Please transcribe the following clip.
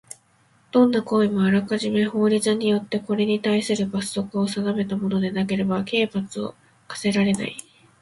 どんな行為もあらかじめ法律によってこれにたいする罰則を定めたものでなければ刑罰を科せられない。